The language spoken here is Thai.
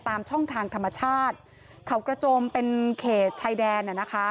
ตามช่องทางธรรมชาติเขากระจมเป็นเขตชายแดน